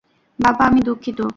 বাবা, আমি দুঃখিত।